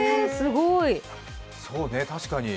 そうね、確かに。